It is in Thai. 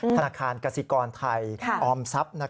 ธนาคารกสิกรไทยออมทรัพย์